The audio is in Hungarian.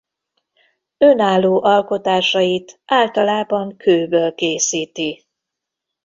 Önálló alkotásait általában kőből készíti.